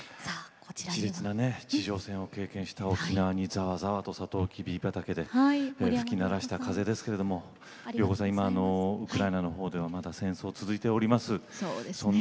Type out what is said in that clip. しれつな地上戦を経験した沖縄をざわざわと吹き鳴らせた風ですけど良子さん、ウクライナのほうではまだ戦争が続いております。